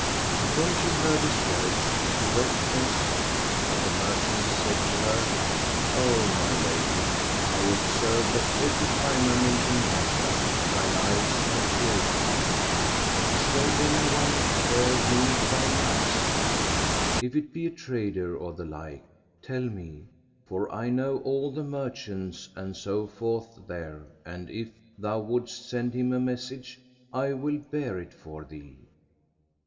When she heard his words, she wept and sobbed, and the merchant said to her, "O my lady, I observe that, every time I mention Baghdad, thine eyes are tearful: is there any one there whom thou lovest? If it be a trader or the like, tell me; for I know all the merchants and so forth there and, if thou wouldst send him a message, I will bear it for thee."